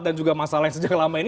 dan juga masalah yang sejak lama ini